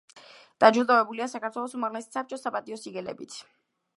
დაჯილდოებულია საქართველოს უმაღლესი საბჭოს საპატიო სიგელებით.